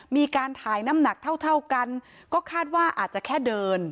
มีการถ่ายน้ำหนักเท่าเท่ากันก็คาดว่าอาจจะแค่เดิน